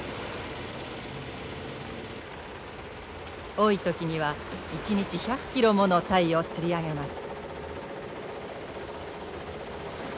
多い時には一日１００ｋｇものタイを釣り上げます。